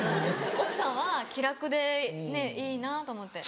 奥さんは気楽でいいなと思って。